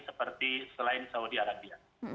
seperti selain saudi arabia